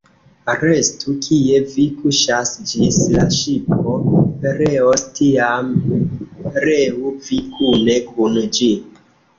Restu, kie vi kuŝas, ĝis la ŝipo pereos; tiam, pereu vi kune kun ĝi.